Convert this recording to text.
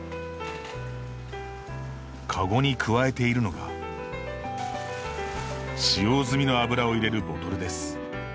かごに加えているのが使用済みの油を入れるボトルです。